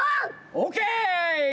オッケー！